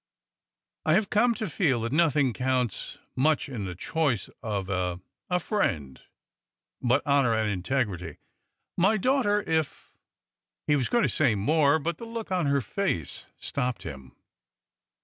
I have come to feel that nothing counts much in the choice of a —a friend but honor and integrity. My daughter, if—'' He was going to say more, but the look on her face stopped him.